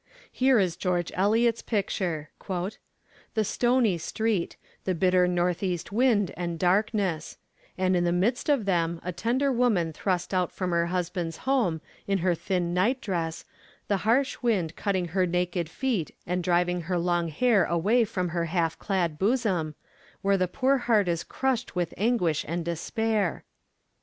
Here is George Eliot's picture: '_The stony street; the bitter north east wind and darkness; and in the midst of them a tender woman thrust out from her husband's home in her thin nightdress, the harsh wind cutting her naked feet and driving her long hair away from her half clad bosom, where the poor heart is crushed with anguish and despair.